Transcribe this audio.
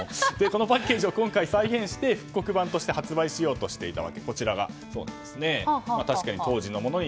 このパッケージを今回再現して復刻版として発売しようとしていました。